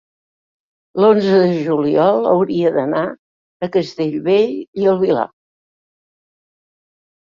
l'onze de juliol hauria d'anar a Castellbell i el Vilar.